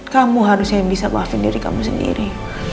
kamu harusnya yang bisa maafin diri kamu sendiri